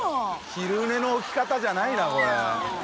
昼寝の起き方じゃないなこれ。